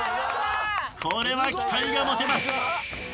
これは期待が持てます。